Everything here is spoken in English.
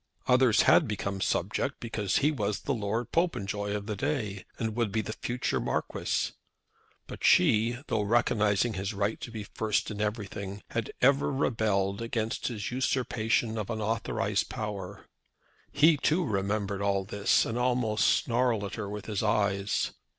Others had become subject because he was the Lord Popenjoy of the day, and would be the future Marquis; but she, though recognising his right to be first in every thing, had ever rebelled against his usurpation of unauthorized power. He, too, remembered all this, and almost snarled at her with his eyes.